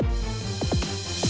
putri harus berhenti